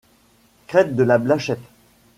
Crête de la Blachette.